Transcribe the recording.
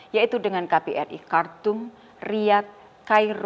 yaitu dengan kbri khartoum riad kairo adis abbaba dan kjri cedah